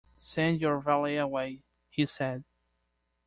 "Send your valet away," he said.